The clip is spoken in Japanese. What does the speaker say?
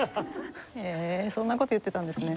へえそんな事言ってたんですね。